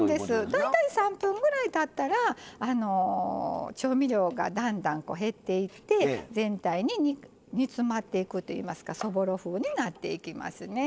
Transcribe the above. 大体３分ぐらいたったら調味料がだんだん減っていって全体に煮詰まっていくといいますかそぼろ風になっていきますね。